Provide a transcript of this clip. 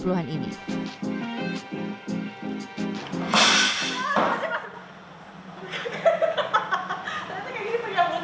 nanti kayak gini pergabutannya ya mas